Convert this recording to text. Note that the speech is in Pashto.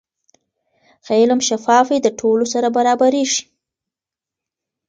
که علم شفاف وي، د ټولو سره برابریږي.